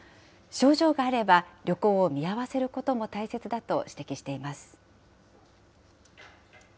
症状があれば、旅行を見合わせることも大切だと指摘しています。